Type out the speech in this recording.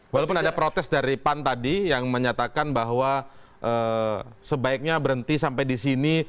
walaupun ada protes dari pan tadi yang menyatakan bahwa sebaiknya berhenti sampai di sini